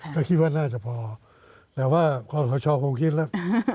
ก็คิดว่าน่าจะพอแต่ว่าคอสชคงคิดแล้ว